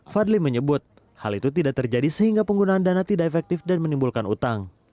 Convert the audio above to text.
fadli menyebut hal itu tidak terjadi sehingga penggunaan dana tidak efektif dan menimbulkan utang